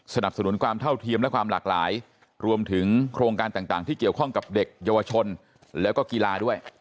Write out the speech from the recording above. สนับสนุนความเท่าเทียมและความหลากหลายรวมถึงโครงการต่างที่เกี่ยวข้องกับเด็กเยาวชนแล้วก็กีฬาด้วย